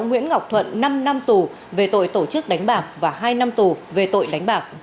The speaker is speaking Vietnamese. nguyễn ngọc thuận năm năm tù về tội tổ chức đánh bạc và hai năm tù về tội đánh bạc